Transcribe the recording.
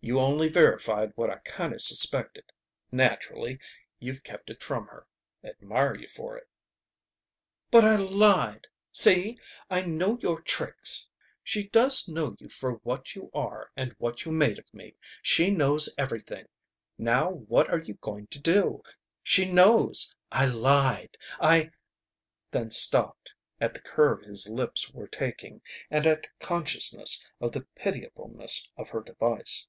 You only verified what I kinda suspected. Naturally, you've kept it from her. Admire you for it." "But I lied! See! I know your tricks. She does know you for what you are and what you made of me. She knows everything. Now what are you going to do? She knows! I lied! I " then stopped, at the curve his lips were taking and at consciousness of the pitiableness of her device.